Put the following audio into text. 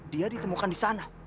dia ditemukan di sana